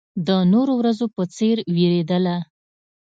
د نورو ورځو په څېر وېرېدله.